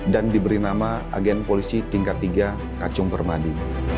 dan diberi nama agen polisi tingkat tiga kacung perbandi